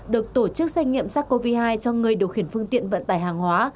được tổ chức xét nghiệm sars cov hai cho người điều khiển phương tiện vận tải hàng hóa